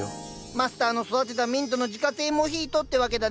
マスターの育てたミントの自家製モヒートってわけだね。